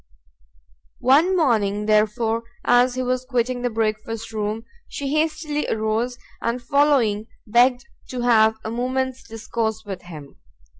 One morning, therefore, as he was quitting the breakfast room, she hastily arose, and following, begged to have a moment's discourse with him.